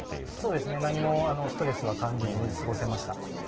そうですね、何もストレスは感じずに過ごせました。